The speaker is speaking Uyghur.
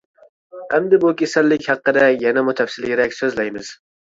ئەمدى بۇ كېسەللىك ھەققىدە يەنىمۇ تەپسىلىيرەك سۆزلەيمىز.